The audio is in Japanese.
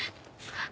あっ。